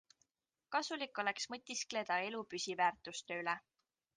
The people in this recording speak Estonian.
Kasulik oleks mõtiskleda elu püsiväärtuste üle.